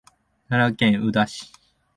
奈良県宇陀市